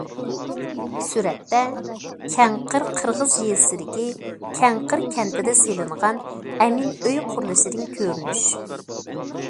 سۈرەتتە: كەڭقىر قىرغىز يېزىسىدىكى كەڭقىر كەنتىدە سېلىنغان ئەمىن ئۆي قۇرۇلۇشىدىن كۆرۈنۈش.